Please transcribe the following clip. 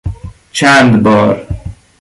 چند بار